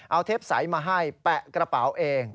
เอาเทปใสมาให้แปะกระเป๋าเอง